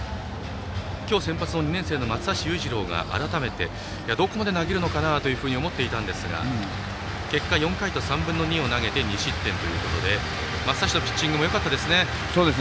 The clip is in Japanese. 今日先発、２年生の松橋裕次郎が改めて、どこまで投げるのかなと思っていたんですが結果、４回と３分の２を投げて２失点ということで松橋のピッチングもよかったですね。